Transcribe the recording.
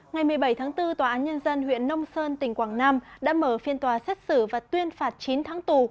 ngày một mươi bảy tháng bốn tòa án nhân dân huyện nông sơn tỉnh quảng nam đã mở phiên tòa xét xử và tuyên phạt chín tháng tù